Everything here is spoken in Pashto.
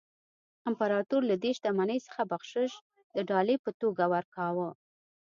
امپراتور له دې شتمنۍ څخه بخشش د ډالۍ په توګه ورکاوه.